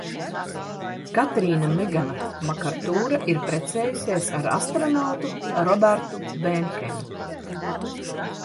Katrīna Megana Makartūra ir precējusies ar astronautu Robertu Bēnkenu.